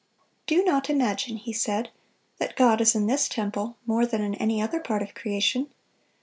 "Do not imagine," he said, "that God is in this temple more than in any other part of creation.